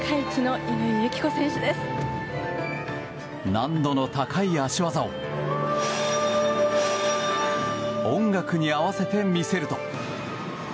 難度の高い脚技を音楽に合わせて見せると。